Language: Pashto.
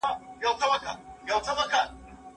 موږ له مياشتو راهيسي له دې ستونزي سره مخ يو.